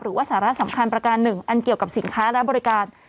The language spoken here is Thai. หรือว่าสาระสำคัญประการหนึ่งอันเกี่ยวกับสินค้าและบริการ